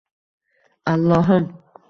Allohim.